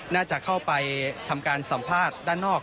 น่าจะเข้าไปทำการสัมภาษณ์ด้านนอก